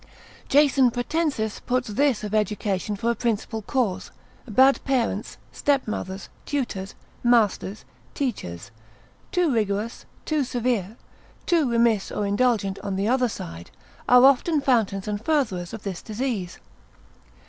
Jason Pratensis puts this of education for a principal cause; bad parents, stepmothers, tutors, masters, teachers, too rigorous, too severe, too remiss or indulgent on the other side, are often fountains and furtherers of this disease.